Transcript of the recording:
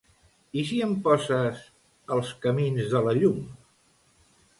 I si em poses "Els camins de la llum"?